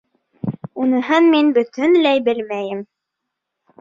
Уныһын мин бөттөнләй белмәйем.